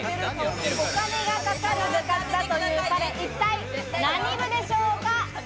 お金がかかる部活だという彼、一体何部でしょうか？